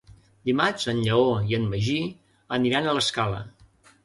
Dimarts en Lleó i en Magí aniran a l'Escala.